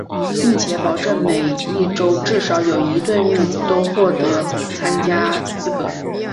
并且保证每一洲至少有一队伍都获得参加资格。